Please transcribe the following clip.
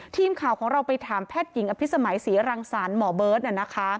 ทีมข่าวของเราไปถามแพทย์หญิงอภิษมัยศรีรังสรรค์หมอเบิร์ตนะคะ